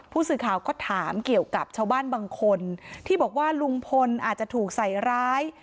ผู้สื่อข่าวก็ถามเกี่ยวกับชาวบ้านบางคนที่บอกว่าลุงพลอาจจะถูกใส่ร้าย